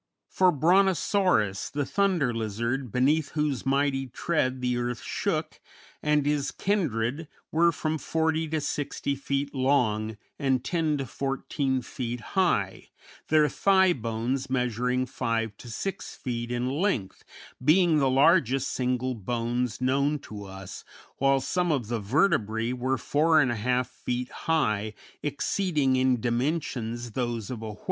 For Brontosaurus, the Thunder Lizard, beneath whose mighty tread the earth shook, and his kindred were from 40 to 60 feet long and 10 to 14 feet high, their thigh bones measuring 5 to 6 feet in length, being the largest single bones known to us, while some of the vertebræ were 4 1/2 feet high, exceeding in dimensions those of a whale.